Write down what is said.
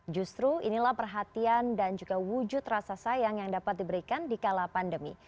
justru inilah perhatian dan juga wujud rasa sayang yang dapat diberikan di kala pandemi